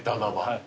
はい。